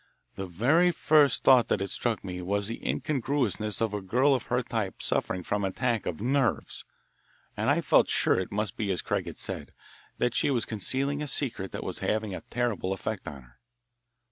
The very first thought that struck me was the incongruousness of a girl of her type suffering from an attack of "nerves," and I felt sure it must be as Craig had said, that she was concealing a secret that was having a terrible effect on her.